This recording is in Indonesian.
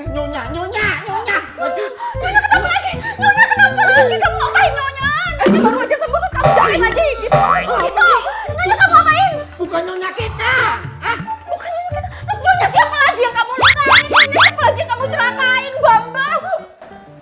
bukan nyonya kena terus nyonya siapa lagi yang kamu lukain nyonya siapa lagi yang kamu celakain banteng